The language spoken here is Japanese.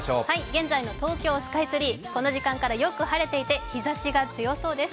現在の東京スカイツリー、この時間からよく晴れていて日ざしが強そうです。